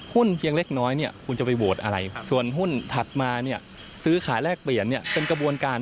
เพียงเล็กน้อยเนี่ยคุณจะไปโหวตอะไรส่วนหุ้นถัดมาเนี่ยซื้อขายแลกเปลี่ยนเนี่ยเป็นกระบวนการ